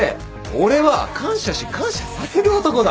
俺は感謝し感謝される男だ。